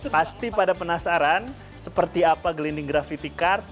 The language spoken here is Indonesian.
pasti pada penasaran seperti apa glinding graffiti car